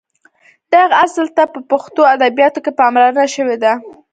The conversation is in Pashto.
دغه اصل ته په پښتو ادبیاتو کې پاملرنه شوې ده.